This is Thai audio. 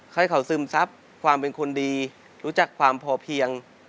ให้เขาซึมซับความเป็นคนดีรู้จักความพอเพียง